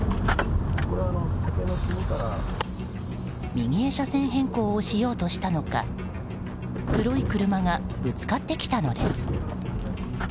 右へ車線変更をしようとしたのか黒い車がぶつかってきたのです。